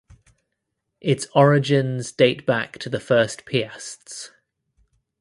Its origins date back to the first Piasts.